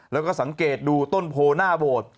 แล้วก็สังเกตดูต้นโพหน้าโบสถ์